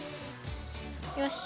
よし。